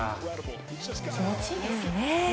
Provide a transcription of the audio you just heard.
気持ちいいですね。